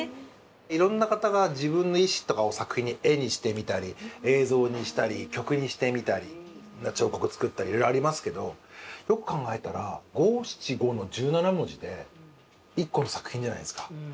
いろんな方が自分の意思とかを作品に絵にしてみたり映像にしたり曲にしてみたり彫刻作ったりいろいろありますけどよく考えたら五七五の１７文字で一個の作品じゃないですか。